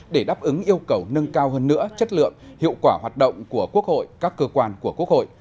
để đáp ứng yêu cầu nâng cao hơn nữa chất lượng hiệu quả hoạt động của quốc hội các cơ quan của quốc hội